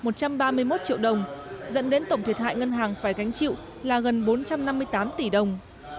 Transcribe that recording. một trăm ba mươi một triệu đồng dẫn đến tổng thiệt hại ngân hàng phải gánh chịu là gần bốn trăm năm mươi tám tỷ đồng